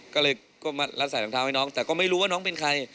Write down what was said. ก็เลยก็มารัดใส่รองเท้าให้น้องแต่ก็ไม่รู้ว่าน้องเป็นใคร